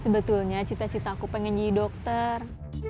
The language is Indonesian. sebetulnya cinta cinta aku pengen jadi dokter